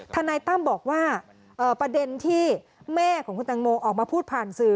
ทนายตั้มบอกว่าประเด็นที่แม่ของคุณตังโมออกมาพูดผ่านสื่อ